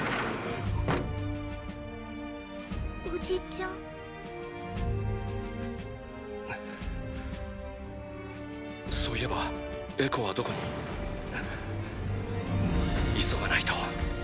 おじちゃん⁉そういえばエコはどこに・急がないと。